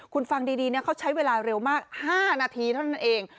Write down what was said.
คุณฟังดีเขาใช้เวลาเร็วมาก๕นาทีเท่านั้นเอง